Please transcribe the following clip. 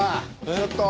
ちょっと！